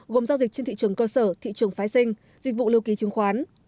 gồm giao dịch trên thị trường cơ sở thị trường phái sinh dịch vụ lưu ký chứng khoán